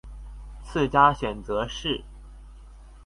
次佳選擇是